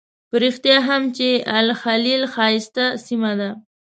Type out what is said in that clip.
په رښتیا هم چې الخلیل ښایسته سیمه ده.